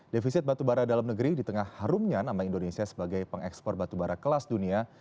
defisit batubara dalam negeri di tengah harumnya nama indonesia sebagai pengekspor batubara kelas dunia